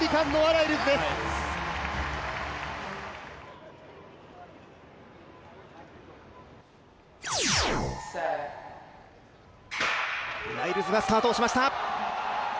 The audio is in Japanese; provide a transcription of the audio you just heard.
ライルズがスタートしました。